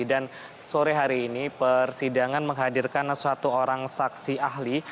dan sore hari ini persidangan menghadirkan suatu orang saksi ahli